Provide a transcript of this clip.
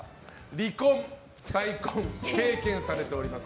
離婚・再婚、経験されております